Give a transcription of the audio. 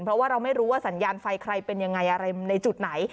เพราะว่าเราไม่รู้ว่าสัญญาณไฟใครเป็นยังไงอะไรในจุดไหน